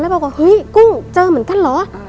บอกว่าเฮ้ยกุ้งเจอเหมือนกันเหรอ